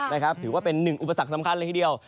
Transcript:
ถือว่าเป็น๑อุปสรรคสำคัญละทีเดียว